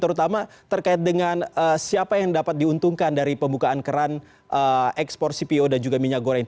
terutama terkait dengan siapa yang dapat diuntungkan dari pembukaan keran ekspor cpo dan juga minyak goreng